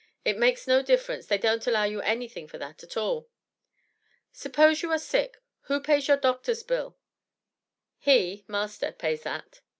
"It makes no difference, they don't allow you anything for that at all." "Suppose you are sick who pays your doctor's bill?" "He (master) pays that."